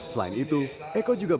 selain itu eko juga